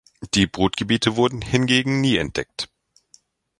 Die Brutgebiete wurden hingegen nie entdeckt.